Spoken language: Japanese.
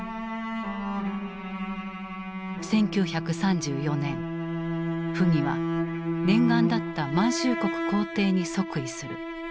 １９３４年溥儀は念願だった満州国皇帝に即位する。